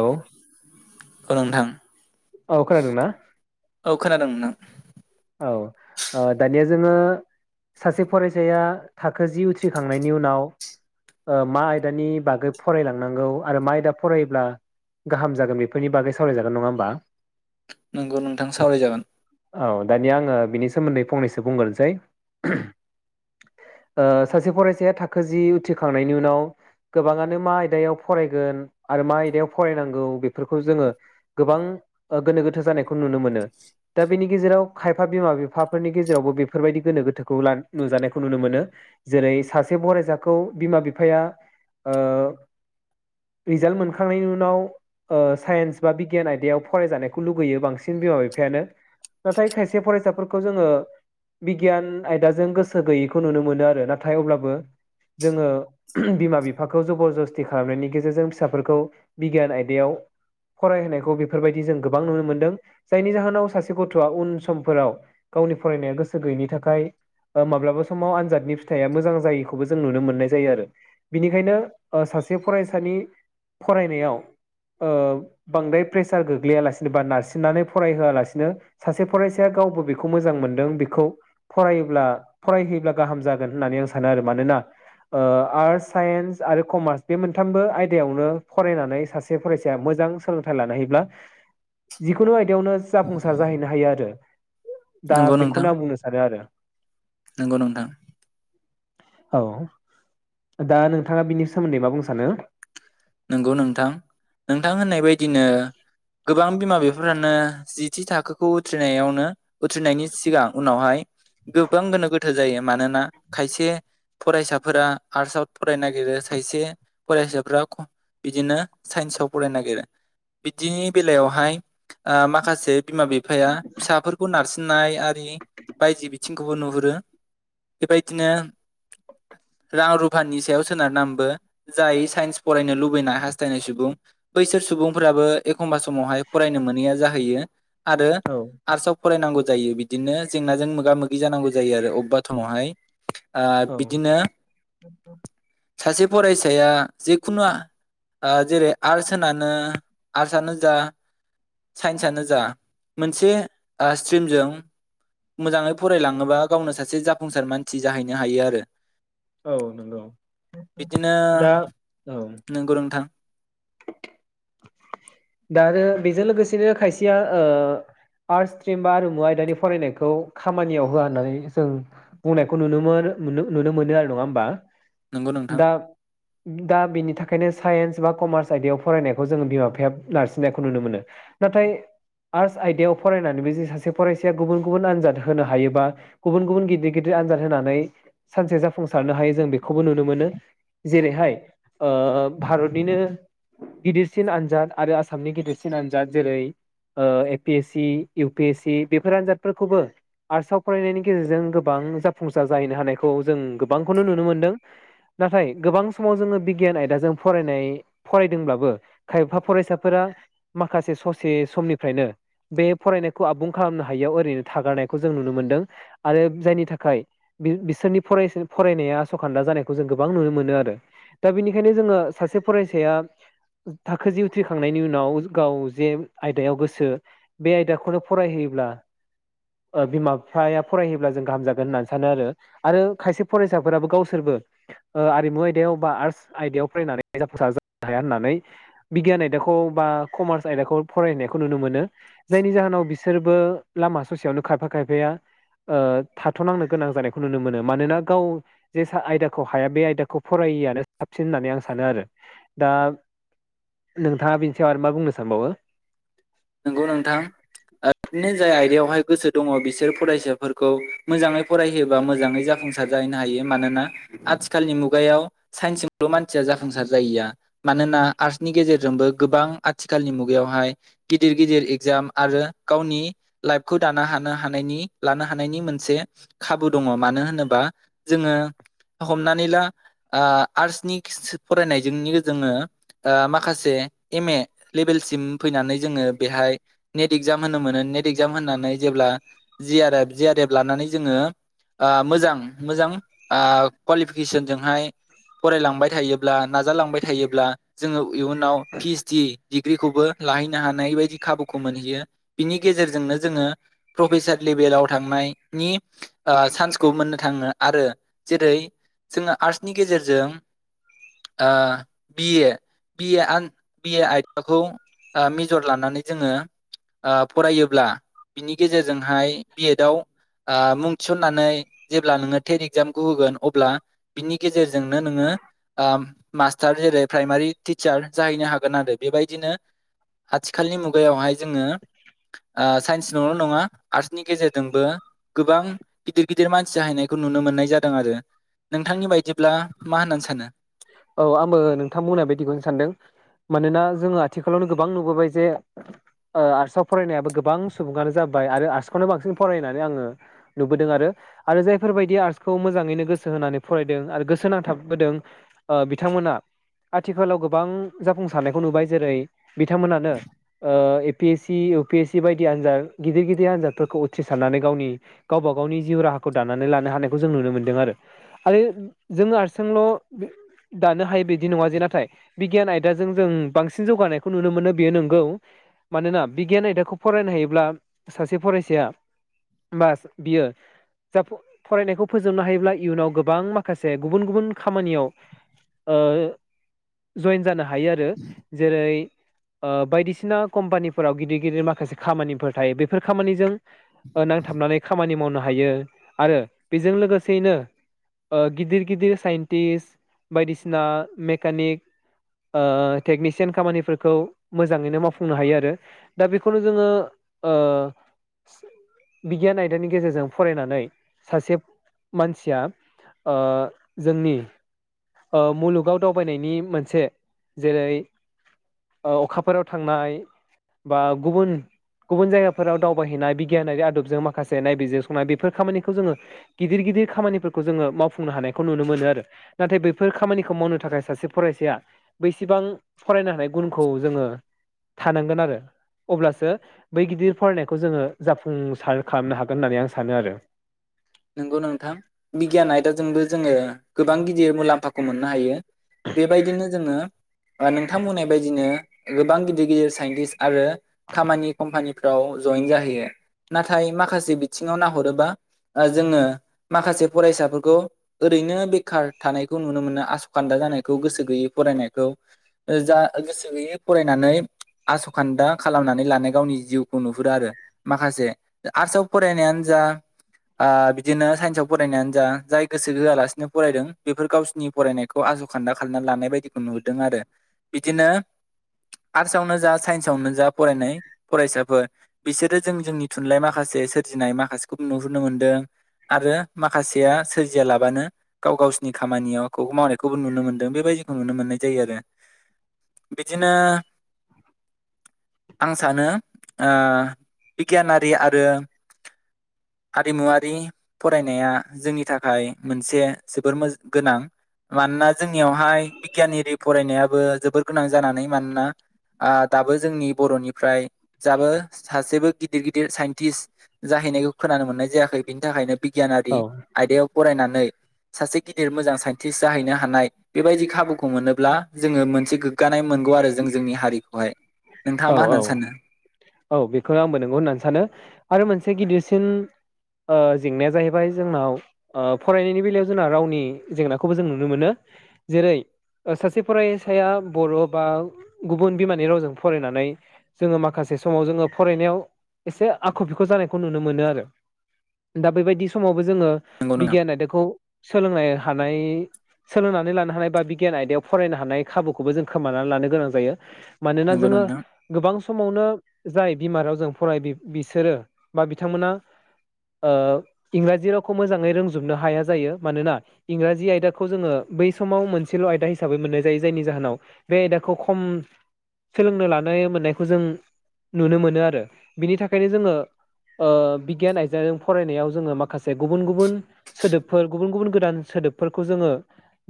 औ औ नोंथां औ खोनादोंना औ खोनादों नोंथां औ ओ दानिया जोङो सासे फरायसाया थाखो जि उथ्रिखांनायनि उनाव मा आयदानि बागै फरायलांनांगौ आरो मा आयदा फरायोब्ला गाहाम जागोन बेफोरनि बागै सावरायजागोन नङा होमबा नोंगौ नोंथां सावरायजागोन औ दानिया आङो बिनि सोमोन्दै फंनैसो बुंगोनसै ओ सासे फरायसाया थाखो जि उथ्रिखांनायनि उनाव गोबाङानो मा आयदायाव फरायगोन आरो मा आयदायाव फरायनांगौ बेफोरखौ जोङो गोबां गोनो गोथो जानायखौ नुनो मोनो दा बेनि गेजेराव खायफा बिमा बिफाफोरनि गेजेरावबो बेफोरबायदि गोनो गोथोखौ नुजानायखौ नुनो मोनो जेरै सासे फरायसाखौ बिमा बिफाया ओ रिजाल्ट मोनखांनायनि उनाव ओ साइन्स बा बिगियान आयदायाव फरायजानायखौ लुगैयो बांसिन बिमा बिफायानो नाथाय खाय से फरायसाफोरखौ जोङो बिगियान आयदाजों गोसो गैयैखौ नुनो मोनो आरो नाथाय अब्लाबो जोङो बिमा बिफाखौ जबर जस्ति खालामनायनि गेजेरजों फिसाफोरखौ बिगियान आयदायाव फरायहोनायखौ बेफोरबायदि जों गोबां नुनो मोनदों जायनि जाहोनाव सासे गथ'वा उन सम फोराव गावनि फरायनाया गोसो गैयैनि थाखाय माब्लाबा समाव आनजादनि फिथाइया मोजां जायैखौबो जों नुनो मोननाय जायोआरो बिनिखायनो सासे फरायसानि फरायनायाव ओ बांद्राय प्रेसार गोग्लैयालासिनो बा नारसिननानै फरायहोआलासिनो सासे फराय साया गावबो बेखौ मोजां मोनदों बेखौ फरायोब्ला फरायहैयोब्ला गाहाम जागोन होननानै आं सानो आरो मानोना ओ आर्टस साइन्स आरो कमार्स बे मोनथामबो आयदायावनो फरायनानै सासे फरायसाया मोजां सोलोंथाइ लानो हायोब्ला जिखुनु आयदायावनो जाफुंसार जाहैनो हायोआरो दा नंगौ नोंथां बेखौनो आं बुंनो सानोआरो नंगौ नोंथां औ दा नोंथाङा बिनि सोमोन्दै मा बुंनो सानो? नंगौ नोंथां नोंथां होननाय बायदिनो गोबां बिमा बिफाफ्रानो जिथि थाखोखौ उथ्रिनायावनो उथ्रिनायनि सिगां उनावहाय गोबां गोनो गोथो जायो मानोना खायसे फरायसाफोरा आर्टसआव फरायनो नागिरो खायसे फरायसाफोरा बिदिनो साइन्सआव फरायनो नागिरो बिदिनि बेलायावहाय ओ माखासे बिमा बिफाया फिसाफोरखौ नारसिननाय आरि बायजो बिथिंखौबो नुहुरो बेबायदिनो रां रुफानि सायाव सोनारनानैबो जाय साइन्स फरायनो लु बैना हास्थायनाय सुबुं बैसोर सुबुंफोराबो एखमबा समावहाय फरायनो मोनैया जाहैयो। आरो औ आरस्आव फरायनांगौ जायो बिदिनो जेंनाजों मोगा मोगि जानांगौ जायो आरो अबेबा थमावहाय ओ औ बिदिनो सासे फरायसाया जेखुनु ओ जेरै आर्टस होनानो आर्टसआनो जा साइन्सआनो जा मोनसे स्ट्रिमजों मोजाङै फरायलाङोबा गावनो सासे जाफुंसार मानसि जाहैनो हायो आरो औ नंगौ बिदिनो दा औ नंगौ नोंथां। दा आरो बेजों लोगोसेनो खायसेया ओ आर्टस स्ट्रिम बा आरमु आयदानि फरायनायखौ खामानियाव होआ होननानै जों बुंनायखौ नुनो नुनो मोनो आरो नङा होमबा नंगौ नोंथां दा दा बिनि थाखायनो साइन्स सोरबा कमार्च आयदायाव फरायनायखौ जोङो बिमा बिफाया नारसिननायखौ नुनो मोनो नाथाय आर्ट्स आयदायाव फरायनानैबो जे सासे फरायसाया गुबुन गुबुन आनजाद होनो हायोबा गुबुन गुबुन गिदिर गिदिर आनजाद होनानै सानसे जाफुंसारनो हायो जों बेखौबो नुनो मोनो जेरैहाय ओ भारतनिनो गिदिरसिन आनजाद आरो आसामनि गिदिरसिन आनजाद जेरै ओ A P S C U P S C बेफोर आनजादफोरखौबो आर्टसाव फरायनायनि गेजेरजों गोबां जाफुंसार जाहैनो हानायखौ जों गोबांखौनो नुनो मोनदों नाथाय गोबां समाव जोङो बिगियान आयदाजों फरायनाय फरायदोंब्लाबो खायफा फरायसाफोरा माखासे ससे समनिफ्रायनो बे फरायनायखौ आबुं खालामनो हायियाव ओरैनो थागारनायखौ जों नुनो मोनदों आरो जायनि थाखाय बिसोरनि फरायनाया आसखान्दा जानायखौ जों गोबां नुनो मोनो आरो दा बेनिखायनो जोङो सासे फराय साया थाखो जि उथ्रिखांनायनि उनाव गाव जे आयदायाव गोसो बे आयदाखौनो फरायहैयोब्ला ओ बिमा बिफाया फरायहैयोब्ला जों गाहाम जागोन होननानै सानो आरो आरो खायसे फरायसाफोराबो गावसोरबो ओ आरिमु आयदायाव बा आर्टस आयदायाव फरायनानै जाफुंसार हाया होननानै बिगियान आयदाखौ बा कमार्स आयदाखौ फरायहैनायखौ नुनो मोनो जायनि जाहोनाव बिसोरबो लामा ससेयावनो खायफा खायफाया ओ थाथनांनो गोनां जानायखौ नुनो मोनो मानोना गाव जे आयदाखौ हाया बे आयदाखौ फरायैआनो साबसिन होननानै आं सानो आरो दा नोंथाङा बेनि सायाव आरो मा बुंनो सानबावो नंगौ नोंथां बिदिनो जाय आयदायावहाय गोसो दङ बिसोर फरायसाफोरखौ मोजाङै फरायहोयोबा मोजाङै जाफुंसार जाहैनो हायो मानोना आथिखालनि मुगायाव साइन्सजोंल मानसिया जाफुंसार जाहैया मानोना आर्टसनि गेजेरजोंबो गोबां आथिखालनि मुगायावहाय गिदिर गिदिर एगजाम आरो गावनि लाइफखौ दानो हानो हानायनि लानो हानायनि मोनसे खाबु दङ मानो होनोबा जोङो हमनानै ला ओ आर्टसनि फरायनायजों जोङो माखासे एम ए लेबेलसिम फैनानै जोङो बेहाय नेट इगजाम होनो मोनो नेट इगजाम होनानै जेब्ला J R F J R F लानानै जोङो ओ मोजां मोजां ओ कवालिफिकेसन जोंहाय फरायलांबाय थायोब्ला नाजालांबाय थायोब्ला जोङो इयुनाव पि एइस डि डिग्रिखौबो लाहैनो हानाय बायदि खाबुखौ मोनहैयो बिनि गेजेरजोंनो जोङो प्रफेसार लेभेलाव थांनायनि सान्सखौ मोननो थाङो आरो जेरै जोङो आर्टसनि गेजेरजों बिए बि बिए आयदाखौ ओ मेजर लानानै जोङो ओ फरायोब्ला बिनि गेजेरजोंहाय बि एदआव ओ मुं थिसननानै जेब्ला नोङो टेट एगजामखौ होगोन अब्ला बिनि गेजेरजोंनो नोङो ओ मास्टार जेरै प्राइमारि टिचार जाहैनो हागोन आरो बेबायदिनो आथिखालनि मुगायावहाय जोङो ओ साइन्स निल नङा आर्ट्सनि गेजेरजोंबो गोबां गिदिर गिदिर मानसि जाहैनायखौ नुनो मोननाय जादों आरो नोंथांनि बायदिब्ला मा होननानै सानो? औ आंबो नोंथां बुंनाय बायदिखौनो सानदों मानोना जोङो आथिखालावनो गोबां नुबोबाय जे ओ आर्टसआव फरायनायाबो गोबां सुबुङानो जाबाय आरो आर्ट्सखौनो बांसिन फरायनानै आङो नुबोदों आरो आरो जायफोरबायदि आर्टसखौ मोजाङैनो गोसो होनानै फरायदों आरो गोसो होनांथाबबोदों ओ बिथांमोना आथिखालाव गोबां जाफुंसारनायखौ नुबाय जेरै बिथांमोनानो ओ A P S C U P S C बायदि आनजाद गिदिर गिदिर आनजादफोरखौ उथ्रिसारनानै गावनि गावबा गावनि जिउ राहाखौ दानानै लानो हानायखौ जों नुनो मोनदों आरो आरो जों आस्रजोंल' दानो हायो बिदि नङा जे नाथाय बिगियान आयदाजों जों बांसिन जौगानायखौ नुनो मोनो बेयो नंगौ मानोना बिगियान आयदाखौ फरायनो हायोब्ला सासे फरायसाया बा बियो जा फ- फरायनायखौ फोजोबनो हायोब्ला इयुनाव गोबां माखासे गुबुन गुबुन खामानियाव ओ जयेन जानो हायो आरो जेरै ओ बायदिसिना कम्पानिफोराव गिदिर गिदिर माखासे खामानिफोर थायो बेफोर खामानिजों नांथाबनानै खामानि मावनो हायो आरो बेजों लोगोसेयैनो ओ गिदिर गिदिर साइनटिस्ट बायदिसिना मेकानिक ओ टेकनिसियान खामानिफोरखौ मोजाङैनो मावफुंनो हायो आरो दा बेखौनो जोङो ओ बिगियान आयदानि गेजेरजों फरायनानै सासे मानसिया ओ जोंनि ओ मुलुगाव दावबायनायनि मोनसे जेरै ओ अखाफोराव थांनाय बा गुबुन गुबुन जायगाफोराव दावबायहैनाय बिगियानारि आदबजों माखासे नायबिजिर संनाय बेफोर खामानिखौ जोङो गिदिर गिदिर खामानिफोरखौ जोङो मावफुंनो हानायखौ नुनो मोनो आरो नाथाय बैफोर खामानिखौ मावनो थाखाय सासे फरायसाया बेसेबां फरायनो हानाय गुनखौ जोङो थानांगोन आरो अब्लासो बै गिदिर फरायनायखौ जोङो जाफुंसार खालामनो हागोन होननानै आं सानो आरो नंगौ नोंथां बिगियान आयदाजोंबो जोङो गोबां गिदिर मुलाम्फाखौ मोननो हायो बेबायदिनो जोङो नोंथां बुंनाय बायदिनो गोबां गिदिर गिदिर साइन्टिस्ट आरो खामानि कम्पानि फ्राव जयेन जाहैयो नाथाय माखासे बिथिङाव नाहरोबा ओ जोङो माखासे फरायसाफोरखौ ओरैनो बेखार थानायखौ नुनो मोनो आसखान्दा जानायखौ गोसो गैयै फरायनायखौ। ओ बिदिनो साइन्सआव फरायनायानो जा जाय गोसो होआलासिनो फरायदों बेफोर गावसिरनि फरायनायखौ आस खान्दा खालामनानै लानाय बायदिखौ नुहुरदों आरो बिदिनो आर्टसआवनो जा साइन्सआवनो जा फरायनाय फरायसाफोर बिसोरो जों जोंनि थुनलाइ माखासे सोरजिनाय माखासेखौ नुहुरनो मोनदों। आरो माखासेया सोरजिया लाबानो गाव गावसिनि खामानियाव मावनायखौबो नुनो मोनदों बेबायदिखौ नुनो मोननाय जायो आरो। बिदिनो आं सानो ओ बिगियानारि आरो हारिमुवारि फरायनाया जोंनि थाखाय मोनसे जोबोर मो गोनां मानोना जोंनियावहाय बिगियानारि फरायनायाबो जोबोर गोनां जानानै मानोना दाबो जोंनि बरनिफ्राय दाबो सासेबो गिदिर गिदिर साइन्टिस्ट जाहैनायखौ खोनानो मोननाय जाय जायाखै बिनि थाखायनो बिगियानारि औ आयदायाव फरायनानै सासे गिदिर मोजां साइन्टिस्ट जाहैनो हानाय बे बायदि खाबुखौ मोनोब्ला जोङो मोनसे गोग्गानाय मोनगौ आरो जों जोंनि हारिखौहाय। नोंथाङा औ मा औ होननानै सानो औ बेखौनो आंबो नंगौ होननानै सानो आरो मोनसे गिदिर बांसिन ओ जेंनाया जाहैबाय जोंनाव फरायनायनि बेलायाव जोंना रावनि जेंनाखौबो जों नुनो मोनो जेरै सासे फरायसाया बर' बा गुबुन बिमानि रावजों फरायनानै जोङो माखासे समाव जोङो फरायनायाव एसे आख' फिख' जानायखौ नुनो मोनो आरो दा बे बायदि समावबो जोङो नंगौ नङा बिगियान आइदाखौ सोलोंनो हानाय सोलोंनानै लानो हानाय बा बिगियान आयदायाव फरायनो हानाय खाबुखौबो जों खोमानानै लानो गोनां जायो मानो नंगौ जोंङो नोंथां गोबां समावनो जाय बिमा रावजों फराय बिसोरो बा बिथांमोना ओ इंराजि रावखौ मोजाङै रोंजोबनो हाया जायो मानोना इंराजि आयदाखौ जोङो बै समाव मोनसेल' आयदा हिसाबै मोननाय जायो जायनि जाहोनाव बे आयदाखौ खम सोलोंनो लानाय मोननायखौ जों नुनो मोनो आरो। बिनि थाखायनो जोङो ओ बिगियान आयदाजों फरायनायाव जोङो माखासे गुबुन गुबुन सोदोबफोर गुबुन गुबुन गोदान सोदोबफोरखौ जोङो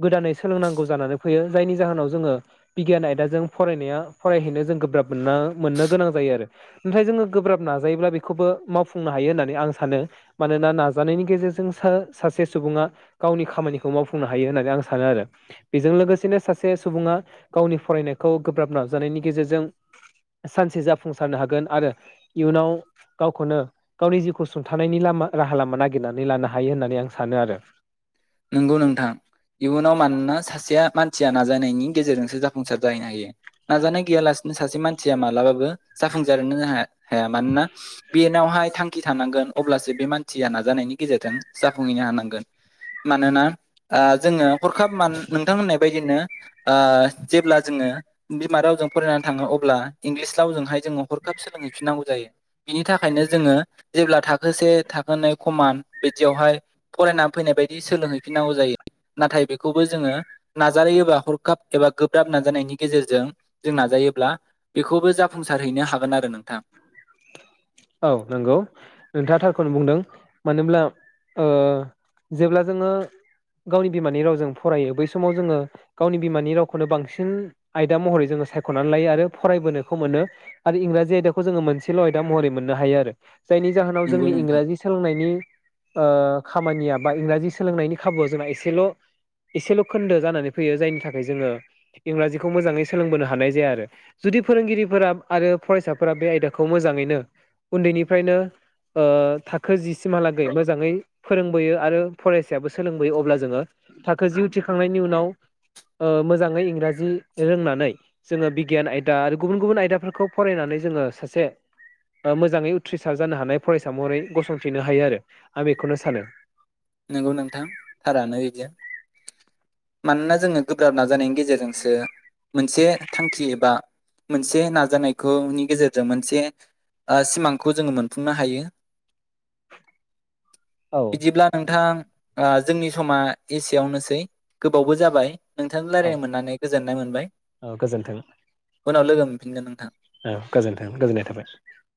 गोदानै सोलोंनांगौ जानानै फैयो जायनि जाहोनाव जोङो बिगियान आयदाजों फरायनाया फरायहैनो जों गोब्राब मोनना मोननो गोनां जायो आरो। नाथाय जोङो गोब्राब नाजायोब्ला बेखौबो मावफुंनो हायो होननानै आं सानो मानोना नाजानायनि गेजेरजों सा सासे सुबुङा गावनि खामानिखौ मावफुंनो हायो होननानै आं सानो आरो। बेजों लोगोसेनो सासे सुबुंङा गावनि फरायनायखौ गोब्राब ना नाजानायनि गेजेरजों सानसे जाफुंसारनो हागोन आरो इयुनाव गावखौनो गावनि जिउखौ सुंथानायनि लामा राहा लामा नागिरनानै लानो हायो होननानै आं सानो आरो। नंगौ नोंथां इयुनाव मानोना सासेया मानसिया नाजानायनि गेजेरजोंसो जाफुंसार जाहैनो हायो नाजानाय गैयालासिनो सासे मानसिया मालाबाबो जाफुंसारो हाया मानोना बेनावहाय थांखि थानांगोन अब्लासो बे मानसिया नाजानायनि गेजेरजों जाफुंहैनो हानांगोन। मानोना ओ जोङो हरखाब मानो नोंथां होननाय बायदिनो ओ जेब्ला जोङो बिमा रावजों फरायनानै थाङो अब्ला इंलिस रावजोंहाय जोङो हरखाब सोलोंहैफिननांगौ जायो बिनि थाखायनो जोङो जेब्ला थाखोसे थाखोनै खमान बिदियावहाय फरायनानै फैनाय बायदि सोलोंहैफिनांगौ जायो नाथाय बेखौबो जोङो नाजायोबा हरखाब एबा गोब्राब नाजानायनि गेजेरजों जों नाजायोब्ला बेखौबो जा जाफुंसारहैनो हागोन आरो नोंथां। औ नंगौ नोंथांङा थारखौनो बुंदों मानोब्ला ओ जेब्ला जोङो गावनि बिमानि रावजों फरायो बै समाव जोङो गावनि बिमानि रावखौनो बांसिन आयदा महरै जोङो सायख'नानै लायो आरो फरायबोनोखौ मोनो आरो इंराजि आयदाखौ जोङो मोनसेल' आयदा महरै मोननो हायो आरो। जायनि जाहोनाव नंगौ जोंनि नोंथां इंराजि सोलोंनायनि ओ खामानिया बा इंराजि सोलोंनायनि खाबुआव जोंना एसेल' एसेल' खोन्दो जानानै फैयो जायनि थाखाय जोङो इंराजिखौ मोजाङै सोलोंबोनो हानाय जाया आरो जुदि फोरोंगिरिफोरा आरो फरायसाफोरा बे आयदाखौ मोजाङैनो उन्दैनिफ्रायनो ओ थाखो जि सिमहालागै मोजाङै फोरोंबोयो आरो फरायसायाबो सोलोंबोयो अब्ला जोङो थाखो जि उथ्रिखांनायनि उनाव ओ मोजाङै इंराजि रोंनानै जोङो बिगियान आयदा आरो गुबुन गुबुन आयदाफोरखौ फरायनानै जोङो सासे ओ मोजाङै उथ्रिसार जानो हानाय फरायसा महरै गसंथिनो हायो आरो आं बेखौनो सानो। नंगौ नोंथां थारानो बिदि मानोना जोङो गोब्राब नाजानायनि गेजेरजोंसो मोनसे थांखि एबा मोनसे नाजानायखौनि गेजेरजों मोनसे ओ सिमांखौ जोङो मोनफुंनो हायो। औ बिदिब्ला नोंथां ओ जोंनि समा एसेयावनोसै गोबावबो जाबाय। नोंथांजों औ रायज्लायनो मोननानै गोजोननाय मोनबाय। औ गोजोन्थों उनाव लोगो मोनफिनगोन नोंथां। औ गोजोन्थों गोजोननाय थाबाय।